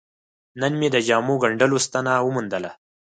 نن مې د جامو ګنډلو ستنه وموندله.